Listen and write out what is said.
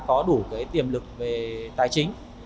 có đủ tiềm lực về tài chính